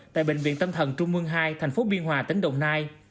tại bệnh viện tâm thần trung mương hai tp biên hòa tỉnh đồng nai